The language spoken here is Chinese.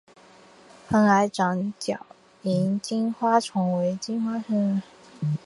蓬莱长脚萤金花虫为金花虫科长脚萤金花虫属下的一个种。